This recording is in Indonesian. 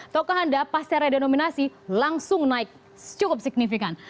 taukah anda pasca redenominasi langsung naik cukup signifikan